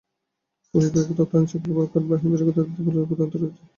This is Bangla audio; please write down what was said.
পুলিশ বিভাগ তথা আইনশৃঙ্খলা রক্ষাকারী বাহিনীর পেশাগত দায়িত্ব পালনের প্রধান অন্তরায়ও এটি।